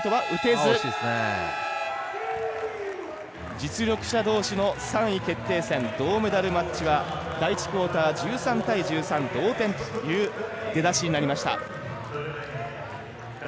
実力者同士の３位決定戦銅メダルマッチは第１クオーターは１３対１３、同点という出だしになりました。